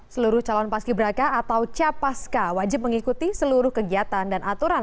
seluruh calon paski beraka atau capaska wajib mengikuti seluruh kegiatan dan aturan